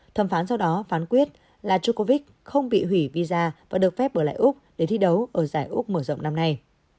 thẩm phán sau đó phán quyết là djokovic không bị hủy visa và được phép bởi lại úc để thi đấu ở giải úc mở rộng năm nay